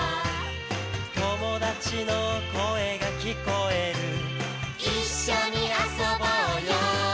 「友達の声が聞こえる」「一緒に遊ぼうよ」